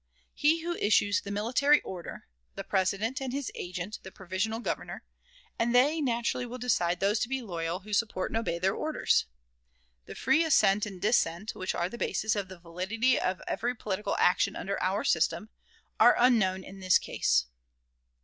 He who issues the military order the President and his agent the provisional Governor; and they naturally will decide those to be loyal who support and obey their orders. The free assent and dissent which are the basis of the validity of every political action under our system, are unknown in this case.